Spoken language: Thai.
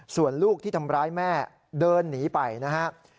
ส่วนลูกที่ทำร้ายแม่เดินหนีไปนะครับ